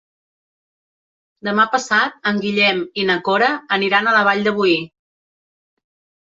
Demà passat en Guillem i na Cora aniran a la Vall de Boí.